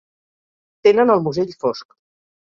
Tenen el musell fosc.